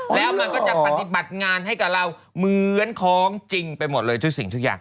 แล้วมันก็จะปฏิบัติงานให้กับเราเหมือนของจริงไปหมดเลยทุกสิ่งทุกอย่าง